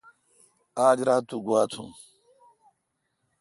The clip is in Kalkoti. آج رات تو گوا تھون۔